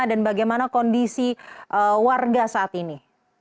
dan bagaimana kondisi warga saat ini